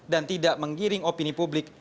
dan tidak menggiring opini publik